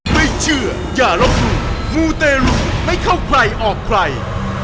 ไม่เชื่ออย่าลบหลู่มูเตรุไม่เข้าใครออกใคร